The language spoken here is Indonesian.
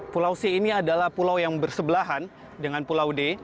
pulau c ini adalah pulau yang bersebelahan dengan pulau d